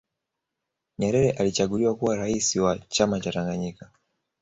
nyerere alichaguliwa kuwa raisi wa chama cha tanganyika